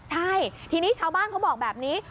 ใช่ทีนี้ชาวบ้านเขาบอกแบบนี้